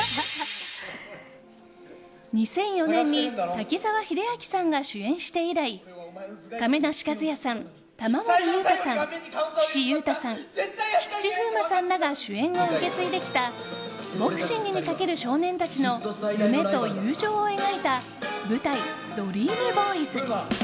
２００４年に滝沢秀明さんが主演して以来亀梨和也さん、玉森裕太さん岸優太さん、菊池風磨さんらが主演を受け継いできたボクシングにかける少年たちの夢と友情を描いた舞台「ＤＲＥＡＭＢＯＹＳ」。